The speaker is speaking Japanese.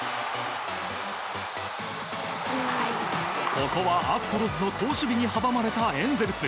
ここはアストロズの好守備に阻まれたエンゼルス。